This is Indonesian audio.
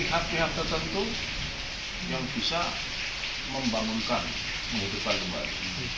hak hak tertentu yang bisa membangunkan kehidupan kembali